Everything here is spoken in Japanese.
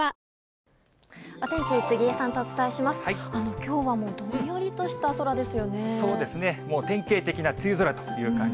きょうはどんよりとした空ですよね。